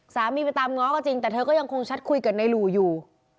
สามีไปตามง้อก็จริงแต่เธอก็ยังคงแชทคุยกับนายหลู่อยู่